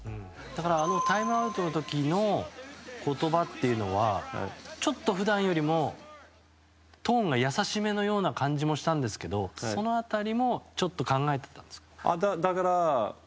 あのタイムアウトの時の言葉っていうのはちょっと普段よりもトーンが優しめだったように感じたんですが、その辺りもちょっと考えてたんですか？